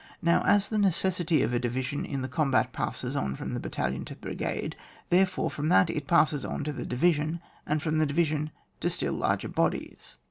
Nowy as the necessity of a divi sion in the combat passes on from the battalion to the brigade, therefore, from that it passes on to the division, and from the division to still lai:ger bodies.